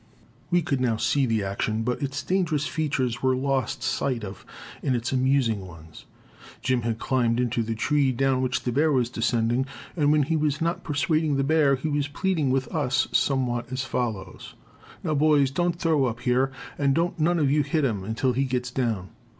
We could now see the action, but its dangerous features were lost sight of in its amusing ones. Jim had climbed into the tree down which the bear was descending, and when he was not persuading the bear he was pleading with us somewhat as follows: "Now, boys, don't throw up here, and don't none of you hit him until he gets down.